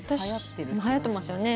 はやってますよね。